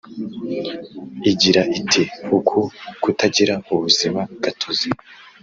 Igira iti “Uku kutagira ubuzima gatozi